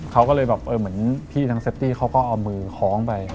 เขาก็เลยแบบเหมือนพี่ทางเซฟตี้เขาก็เอามือคล้องไป